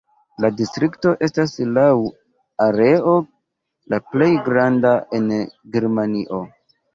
La distrikto estas laŭ areo la plej granda en Germanio.